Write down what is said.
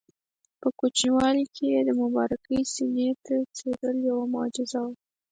په کوچنیوالي کې یې د مبارکې سینې څیرل یوه معجزه وه.